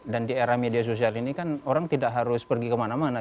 dan di era media sosial ini kan orang tidak harus pergi kemana mana